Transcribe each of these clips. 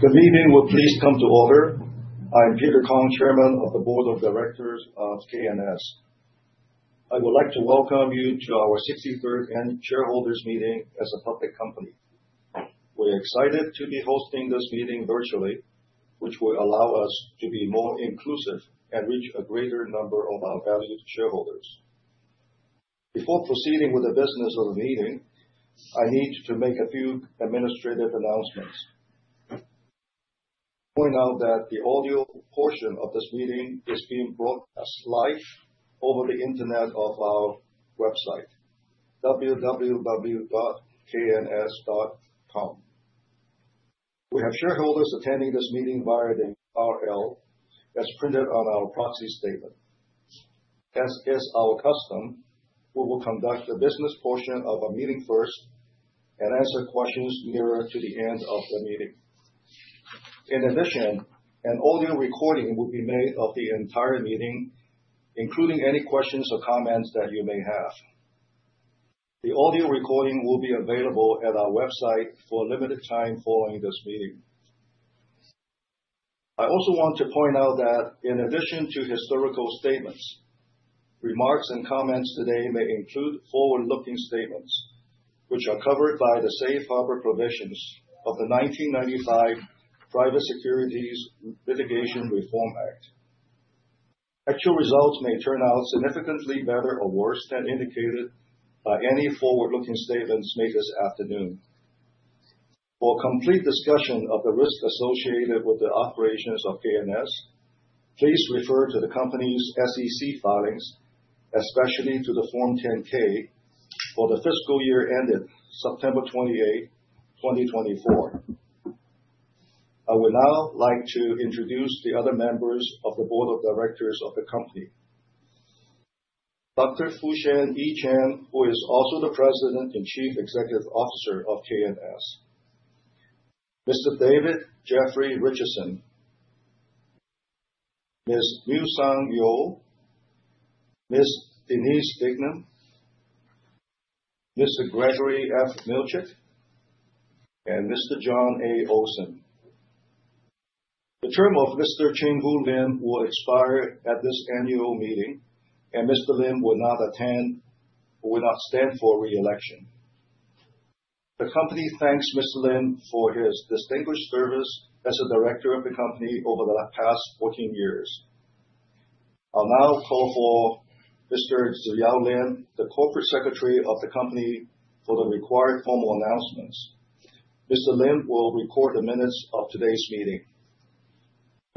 Good evening. We're pleased to come to order. I'm Peter Kong, Chairman of the Board of Directors of K&S. I would like to welcome you to our 63rd Shareholders Meeting as a public company. We're excited to be hosting this meeting virtually, which will allow us to be more inclusive and reach a greater number of our valued shareholders. Before proceeding with the business of the meeting, I need to make a few administrative announcements. I want to point out that the audio portion of this meeting is being brought to life over the internet of our website, www.kns.com. We have shareholders attending this meeting via the URL as printed on our proxy statement. As is our custom, we will conduct the business portion of our meeting first and answer questions nearer to the end of the meeting. In addition, an audio recording will be made of the entire meeting, including any questions or comments that you may have. The audio recording will be available at our website for a limited time following this meeting. I also want to point out that, in addition to historical statements, remarks and comments today may include forward-looking statements, which are covered by the safe harbor provisions of the 1995 Private Securities Litigation Reform Act. Actual results may turn out significantly better or worse than indicated by any forward-looking statements made this afternoon. For a complete discussion of the risks associated with the operations of K&S, please refer to the company's SEC filings, especially to the Form 10-K for the fiscal year ended September 28, 2024. I would now like to introduce the other members of the Board of Directors of the company: Dr. Fusen Chen, who is also the President and Chief Executive Officer of K&S, Mr. David Jeffrey Richardson, Ms. Mui Sung Yeo, Ms. Denise Dignam, Mr. Gregory F. Milzcik, and Mr. John A. Olsen. The term of Mr. Chen Wu Lin will expire at this annual meeting, and Mr. Lin will not stand for reelection. The company thanks Mr. Lin for his distinguished service as a director of the company over the past 14 years. I'll now call for Mr. Zhao Lin, the Corporate Secretary of the company, for the required formal announcements. Mr. Lin will record the minutes of today's meeting.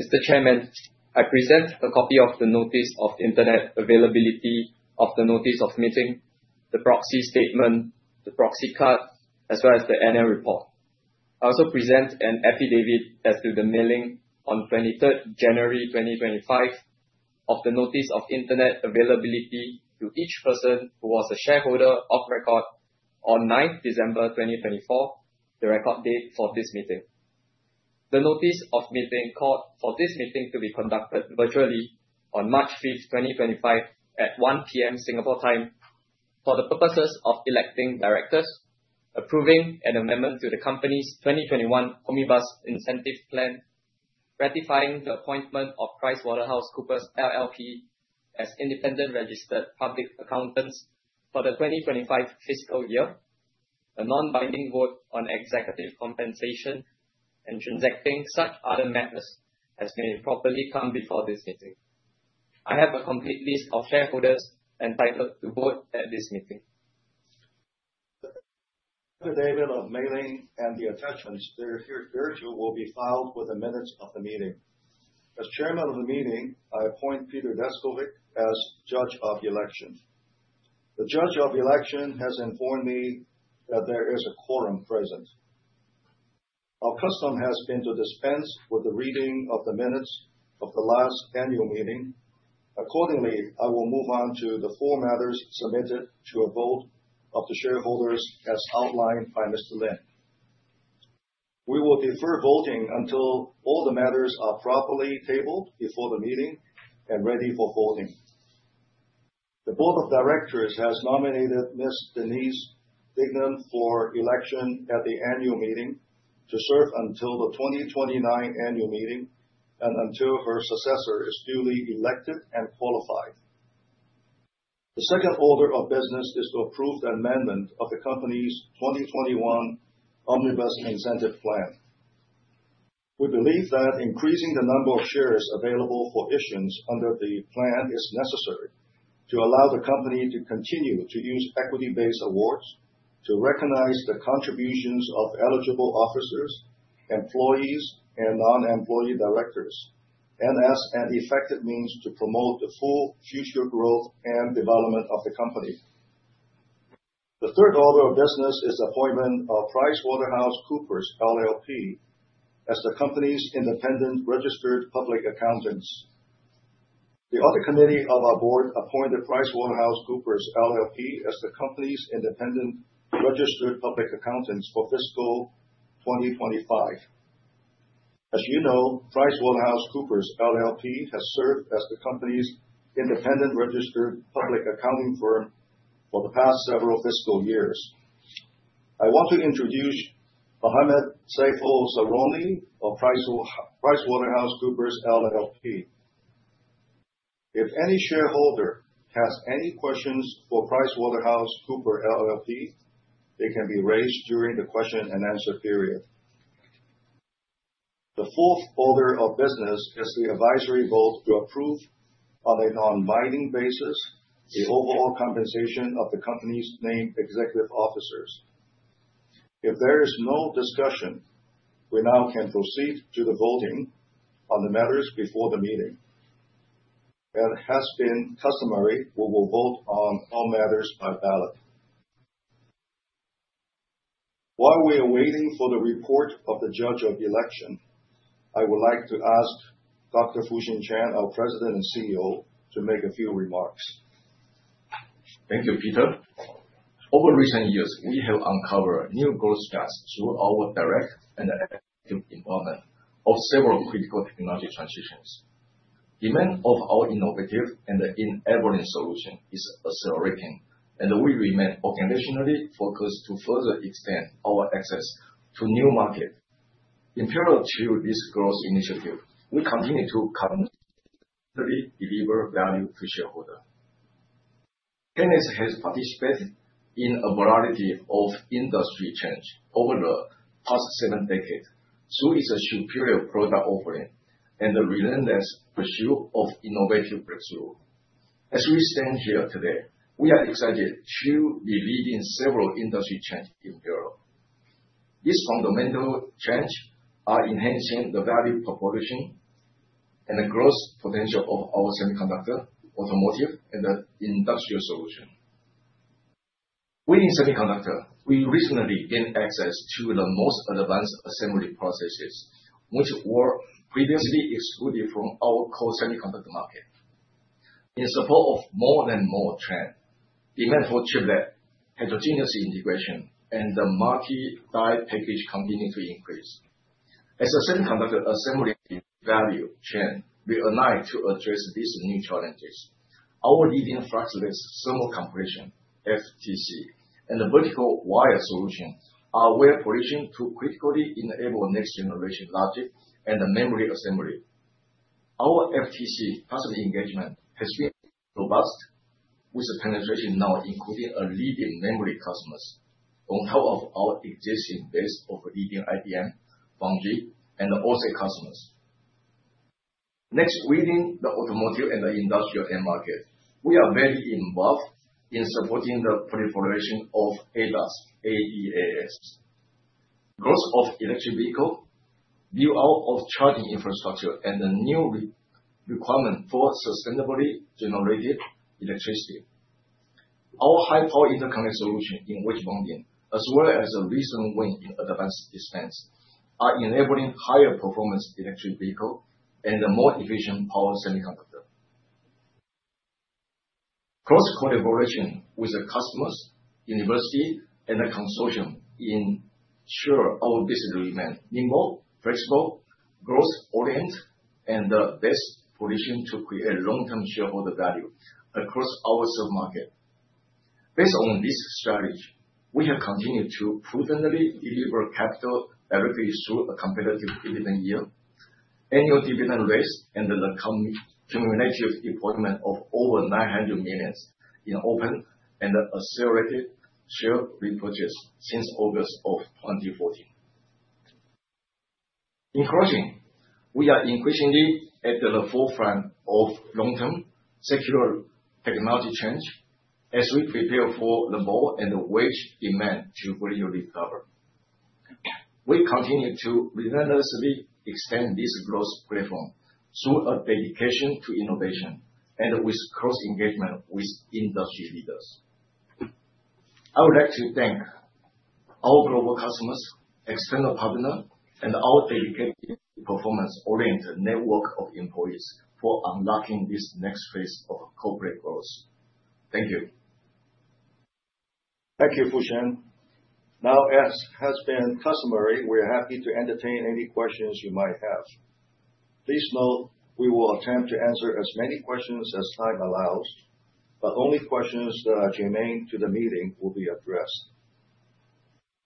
Mr. Chairman, I present a copy of the Notice of Internet Availability, of the Notice of Meeting, the Proxy Statement, the Proxy Card, as well as the Annual Report. I also present an affidavit as to the mailing on 23rd January 2025 of the Notice of Internet Availability to each person who was a shareholder of record on 9th December 2024, the record date for this meeting. The Notice of Meeting called for this meeting to be conducted virtually on March 5th, 2025, at 1:00 P.M. Singapore time for the purposes of electing directors, approving an amendment to the company's 2021 Omnibus Incentive Plan, ratifying the appointment of PricewaterhouseCoopers LLP as independent registered public accountants for the 2025 fiscal year, a non-binding vote on executive compensation, and transacting such other matters as may properly come before this meeting. I have a complete list of shareholders entitled to vote at this meeting. The affidavit of mailing and the attachments they're here virtual will be filed with the minutes of the meeting. As Chairman of the meeting, I appoint Peter Descovich as Judge of Election. The Judge of Election has informed me that there is a quorum present. Our custom has been to dispense with the reading of the minutes of the last annual meeting. Accordingly, I will move on to the four matters submitted to a vote of the shareholders as outlined by Mr. Lin. We will defer voting until all the matters are properly tabled before the meeting and ready for voting. The Board of Directors has nominated Ms. Denise Dignam for election at the annual meeting to serve until the 2029 annual meeting and until her successor is duly elected and qualified. The second order of business is to approve the amendment of the company's 2021 Omnibus Incentive Plan. We believe that increasing the number of shares available for issuance under the plan is necessary to allow the company to continue to use equity-based awards, to recognize the contributions of eligible officers, employees, and non-employee directors, and as an effective means to promote the full future growth and development of the company. The third order of business is the appointment of PricewaterhouseCoopers LLP as the company's independent registered public accountants. The other committee of our board appointed PricewaterhouseCoopers LLP as the company's independent registered public accountants for fiscal 2025. As you know, PricewaterhouseCoopers LLP has served as the company's independent registered public accounting firm for the past several fiscal years. I want to introduce Mohammed Saiful Saroni of PricewaterhouseCoopers LLP. If any shareholder has any questions for PricewaterhouseCoopers LLP, they can be raised during the question-and-answer period. The fourth order of business is the advisory vote to approve on a non-binding basis the overall compensation of the company's named executive officers. If there is no discussion, we now can proceed to the voting on the matters before the meeting. As has been customary, we will vote on all matters by ballot. While we are waiting for the report of the Judge of Election, I would like to ask Dr. Fusen Chen, our President and CEO, to make a few remarks. Thank you, Peter. Over recent years, we have uncovered new growth strengths through our direct and active involvement of several critical technology transitions. Demand of our innovative and enabling solutions is accelerating, and we remain organizationally focused to further expand our access to new markets. Pivotal to this growth initiative, we continue to continually deliver value to shareholders. K&S has participated in a variety of industry trends over the past seven decades through its superior product offering and the relentless pursuit of innovative breakthroughs. As we stand here today, we are excited to be leading several industry trends in Europe. These fundamental trends are enhancing the value proposition and the growth potential of our semiconductor, automotive, and industrial solutions. Within semiconductor, we recently gained access to the most advanced assembly processes, which were previously excluded from our core semiconductor market. In support of more and more trends, demand for chiplet, heterogeneous integration, and the multi-die package continues to increase. As a semiconductor assembly value chain, we are united to address these new challenges. Our leading fluxless thermal compression, FTC, and the vertical wire solution are well positioned to critically enable next-generation logic and memory assembly. Our FTC customer engagement has been robust, with penetration now including leading memory customers on top of our existing base of leading IDM, Foundry, and OSAT customers. Next, within the automotive and the industrial end market, we are very involved in supporting the proliferation of ADAS, ADAS. Growth of electric vehicles, build-out of charging infrastructure, and the new requirement for sustainably generated electricity. Our high-power interconnect solution in Wedge Mountain, as well as a recent win in advanced dispense, are enabling higher performance electric vehicles and a more efficient power semiconductor. Cross-collaboration with customers, university, and consortium ensures our business remains nimble and flexible, growth-oriented, and the best position to create long-term shareholder value across our sub-market. Based on this strategy, we have continued to prudently deliver capital directly through a competitive dividend yield, annual dividend raise, and the cumulative deployment of over $900 million in open and accelerated share repurchase since August of 2014. In closing, we are increasingly at the forefront of long-term secular technology change as we prepare for the ball and the wedge demand to really recover. We continue to relentlessly extend this growth platform through our dedication to innovation and with close engagement with industry leaders. I would like to thank our global customers, external partners, and our dedicated performance-oriented network of employees for unlocking this next phase of corporate growth. Thank you. Thank you, Fusen. Now, as has been customary, we are happy to entertain any questions you might have. Please note we will attempt to answer as many questions as time allows, but only questions that are germane to the meeting will be addressed.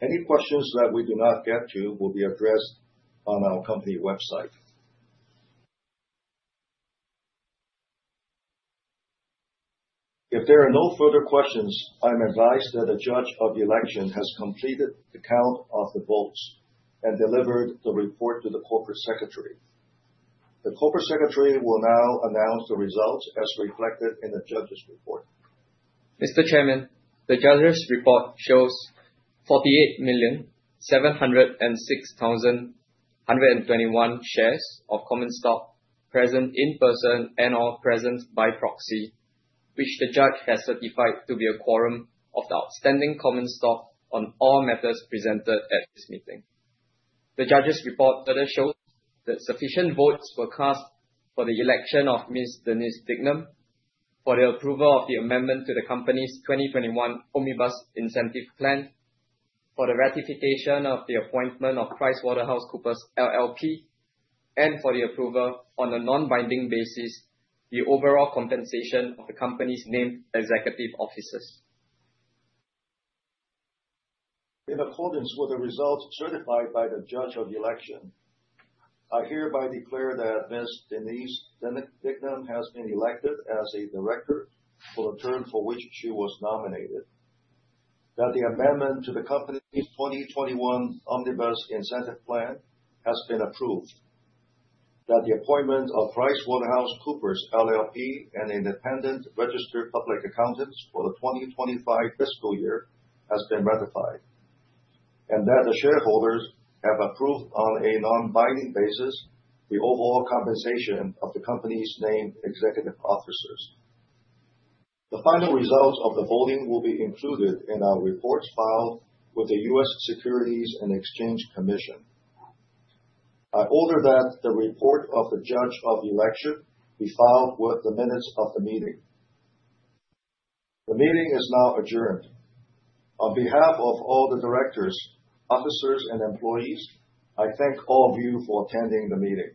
Any questions that we do not get to will be addressed on our company website. If there are no further questions, I'm advised that the Judge of Election has completed the count of the votes and delivered the report to the Corporate Secretary. The Corporate Secretary will now announce the results as reflected in the Judge's report. Mr. Chairman, the Judge's report shows 48,706,121 shares of common stock present in person and/or present by proxy, which the Judge has certified to be a quorum of the outstanding common stock on all matters presented at this meeting. The Judge's report further shows that sufficient votes were cast for the election of Ms. Denise Dignam for the approval of the amendment to the company's 2021 Omnibus Incentive Plan, for the ratification of the appointment of PricewaterhouseCoopers LLP, and for the approval on a non-binding basis the overall compensation of the company's named executive officers. In accordance with the results certified by the Judge of Election, I hereby declare that Ms. Denise Dignam has been elected as a director for the term for which she was nominated, that the amendment to the company's 2021 Omnibus Incentive Plan has been approved, that the appointment of PricewaterhouseCoopers LLP and independent registered public accountants for the 2025 fiscal year has been ratified, and that the shareholders have approved on a non-binding basis the overall compensation of the company's named executive officers. The final results of the voting will be included in our reports filed with the U.S. Securities and Exchange Commission. I order that the report of the Judge of Election be filed with the minutes of the meeting. The meeting is now adjourned. On behalf of all the directors, officers, and employees, I thank all of you for attending the meeting.